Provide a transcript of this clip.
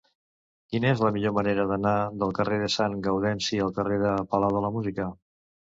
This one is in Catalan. Quina és la millor manera d'anar del carrer de Sant Gaudenci al carrer del Palau de la Música?